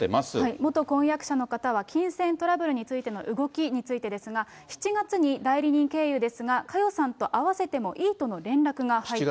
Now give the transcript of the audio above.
元婚約者の方は金銭トラブルについての動きについてですが、７月に代理人経由ですが、佳代さんと会わせてもいいとの連絡が入った。